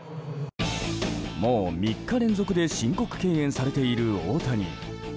もう３日連続で申告敬遠されている大谷。